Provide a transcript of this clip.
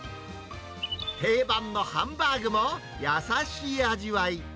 定番のハンバーグも、優しい味わい。